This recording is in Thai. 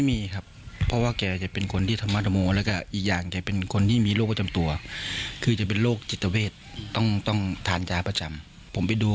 เมืองต้นนะคะญาติและผู้นำหมู่บ้าน